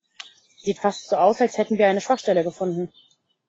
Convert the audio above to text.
Sieht fast so aus, als hätten wir eine Schwachstelle gefunden.